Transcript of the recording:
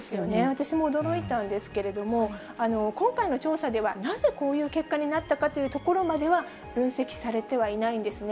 私も驚いたんですけれども、今回の調査では、なぜこういう結果になったかというところまでは分析されてはいないんですね。